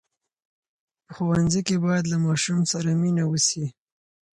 په ښوونځي کې باید له ماشوم سره مینه وسي.